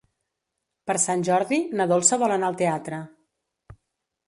Per Sant Jordi na Dolça vol anar al teatre.